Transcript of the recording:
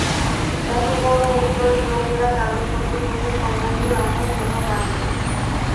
এতবড়ো অভিমানী লোকের কারো সঙ্গে কোনো সম্বন্ধ রাখা শোভা পায় না।